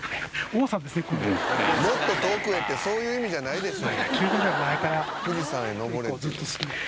「『もっと遠くへ』ってそういう意味じゃないでしょ」